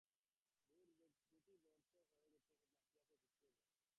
দুটি বর তো হয়ে গেছে, এখন বাকী আছে তৃতীয় বর।